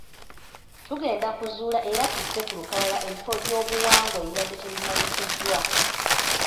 Tugenda kuzuula era tusse ku lukalala ebifo by’obuwangwa ebibadde tebimanyikiddwa.